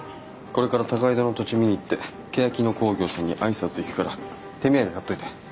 これから高井戸の土地見に行ってけやき野興業さんに挨拶行くから手土産買っといて。